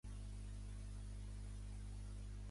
Les calcomanies elaborades descoraven les fundes.